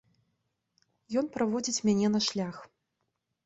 Ён праводзіць мяне на шлях.